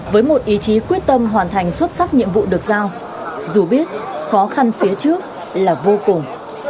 với một ý chí quyết tâm hoàn thành xuất sắc nhiệm vụ được giao dù biết khó khăn phía trước là vô cùng